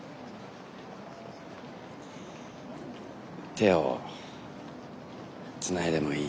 「手をつないでもいい？